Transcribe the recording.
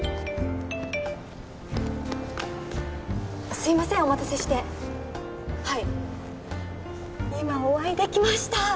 すいませんお待たせしてはい今お会いできました